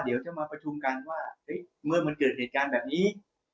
เดี๋ยวจะมาประชุมกันว่าเมื่อมันเกิดเหตุการณ์แบบนี้